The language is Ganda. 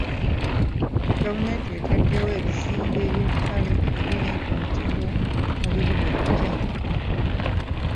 Gavumenti etaddewo ebizimbe by'obutale ebiri ku mutindo mu bibuga ebipya.